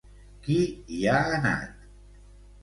Qui hi ha anat?